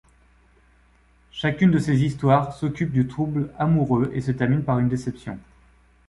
Chacune des histoires s'occupe du trouble amoureux et se termine par une déception.